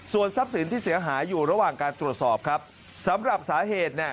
ส่วนทรัพย์สินที่เสียหายอยู่ระหว่างการตรวจสอบครับสำหรับสาเหตุเนี่ย